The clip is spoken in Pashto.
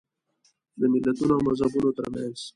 د ملتونو او مذهبونو ترمنځ.